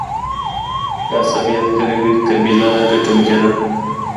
که عصبیت قوي وي قبیله ګټونکي ده.